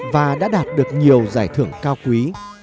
và đã đạt được nhiều giải thưởng cao quý